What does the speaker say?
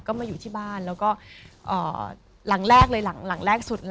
ก็มาอยู่ที่บ้านแล้วก็หลังแรกเลยหลังแรกสุด